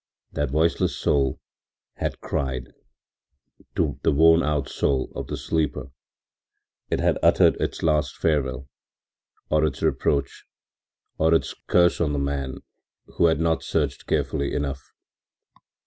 That voiceless soul had cried to the worn out soul of the sleeper; it had uttered its last farewell, or its reproach, or its curse on the man who had not searched carefully enough.